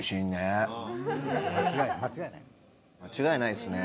間違いないっすね。